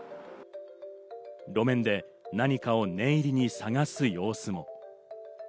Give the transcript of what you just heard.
路面で何かを念入りに探す様子も。